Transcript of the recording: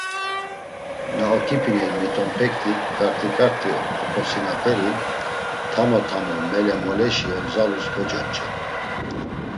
Na oǩipiney mitonpekti ǩarti ǩarti oǩosinaperi, tamo tamo mele moleşi ogzalus kocoç̌ey.